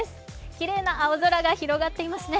きれいな青空が広がっていますね。